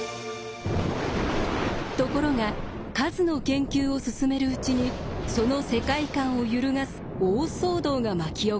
ところが数の研究を進めるうちにその世界観を揺るがす大騒動が巻き起こります。